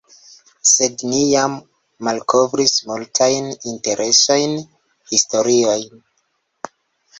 Sed ni jam malkovris multajn interesajn historiojn.